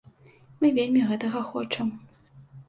Мы вельмі гэтага хочам.